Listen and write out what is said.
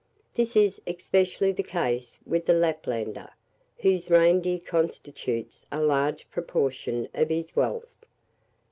This is especially the case with the Laplander, whose reindeer constitutes a large proportion of his wealth.